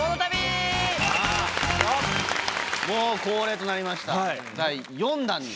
もう恒例となりました第４弾に。